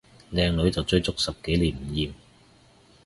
靚女就追足十幾年唔厭